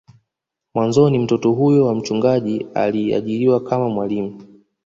Mwanzoni mtoto huyo wa mchungaji aliajiriwa kama mwalimu